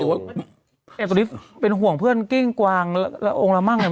ทุกทีปรับปีเป็นห่วงเพื่อนแกร้งกวางแล้วโอ้งละมั่งไง